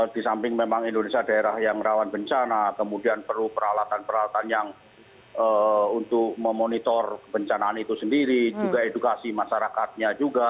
di samping memang indonesia daerah yang rawan bencana kemudian perlu peralatan peralatan yang untuk memonitor kebencanaan itu sendiri juga edukasi masyarakatnya juga